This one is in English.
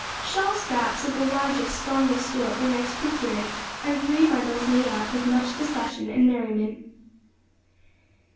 Shawl straps of the largest, strongest sort were next procured, and the three bundles made up with much discussion and merriment.